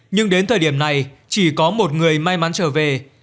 nhưng đến thời điểm này chỉ có một người may mắn trở về